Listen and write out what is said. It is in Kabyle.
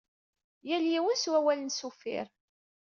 Yal yiwen s wawal-nnes uffir.